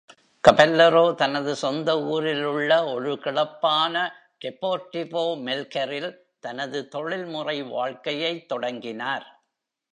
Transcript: Caballero தனது சொந்த ஊரில் உள்ள ஒரு கிளப்பான டெபோர்டிவோ மெல்கரில் தனது தொழில்முறை வாழ்க்கையைத் தொடங்கினார்.